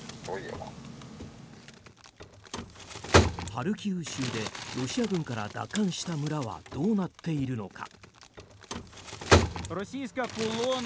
ハルキウ州でロシア軍から奪還した村はどうなっているのか。